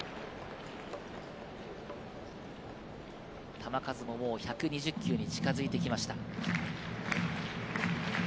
球数も１２０球に近づいてきました。